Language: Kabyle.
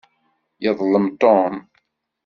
Yeḍlem Tom.